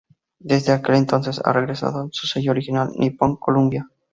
Desde aquel entonces ha regresado a su sello original Nippon Columbia.